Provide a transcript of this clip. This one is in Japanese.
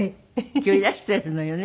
今日いらしてるのよね？